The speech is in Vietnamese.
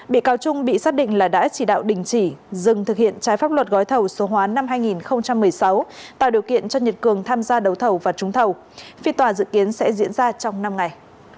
bị cáo trung bị xác định là đã chỉ đạo đình chỉ dừng thực hiện trái pháp luật gói thầu số hóa năm hai nghìn một mươi sáu tạo điều kiện cho nhật cường tham gia đấu thầu và trúng thầu phiên tòa dự kiến sẽ diễn ra trong năm ngày